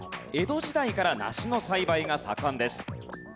江戸時代からナシの栽培が盛んです。